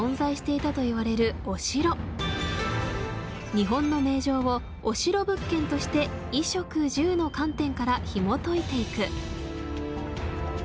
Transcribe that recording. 日本の名城をお城物件として衣食住の観点からひもといていく。